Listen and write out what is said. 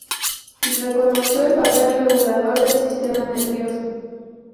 Reconoció el papel regulador del sistema nervioso.